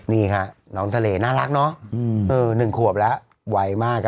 นี่ค่ะน้องทะเลน่ารักเนอะอืมเออหนึ่งขวบแล้วไวมากครับ